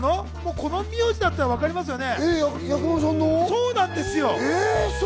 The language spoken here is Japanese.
この名字だったらわかりますよね。